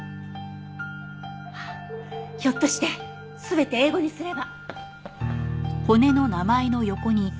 ひょっとして全て英語にすれば。